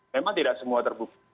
memang tidak semua terbukti